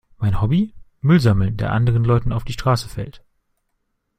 Mein Hobby? Müll sammeln, der anderen Leuten auf die Straße fällt.